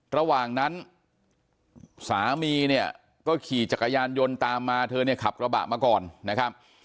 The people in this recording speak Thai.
ระหว่างนั้นสามีเนี่ยก็ขี่จักรยานยนต์ตามมาเธอเนี่ยขับกระบะมาก่อนนะครับ